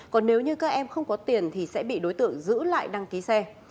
còn nếu như các em không có tiền thì sẽ bị đối tượng giữ lại đặt máy